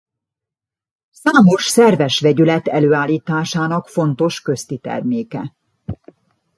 Számos szerves vegyület előállításának fontos köztiterméke.